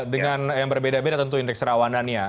dengan yang berbeda beda tentu indeks kerawanannya